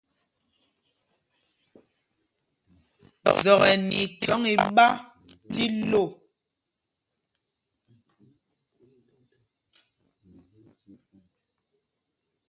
Zɔk ɛ nɛ ithɔ̌ŋ iɓá tí lô.